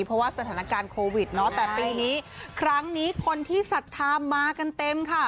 เพราะว่าสถานการณ์โควิดเนาะแต่ปีนี้ครั้งนี้คนที่ศรัทธามากันเต็มค่ะ